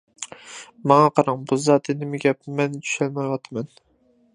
— ماڭا قاراڭ، بۇ زادى نېمە گەپ؟ مەن چۈشەنمەيۋاتىمەن.